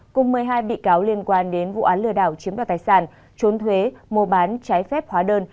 cùng một mươi hai bị cáo liên quan đến vụ án lừa đảo chiếm đoạt tài sản trốn thuế mua bán trái phép hóa đơn